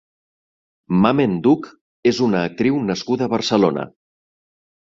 Mamen Duch és una actriu nascuda a Barcelona.